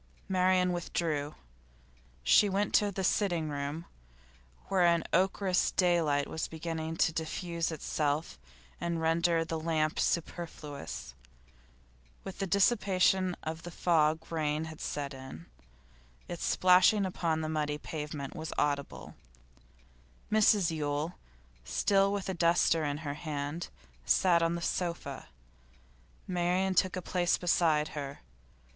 Marian withdrew. She went to the sitting room, where an ochreous daylight was beginning to diffuse itself and to render the lamp superfluous. With the dissipation of the fog rain had set in; its splashing upon the muddy pavement was audible. Mrs Yule, still with a duster in her hand, sat on the sofa. Marian took a place beside her.